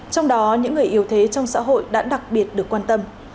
trong đó những người yếu thế trong xã hội đã đặc biệt được quan tâm